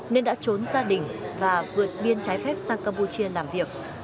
nên đã trốn gia đình và vượt biên trái phép sang campuchia làm việc